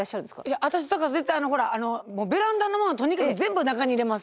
いや私だから絶対あのほらもうベランダのものをとにかく全部中に入れます。